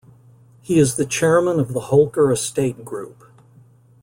He is the Chairman of the Holker Estate Group.